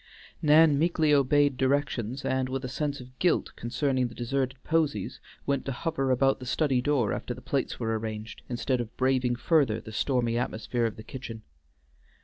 Nan meekly obeyed directions, and with a sense of guilt concerning the deserted posies went to hover about the study door after the plates were arranged, instead of braving further the stormy atmosphere of the kitchen.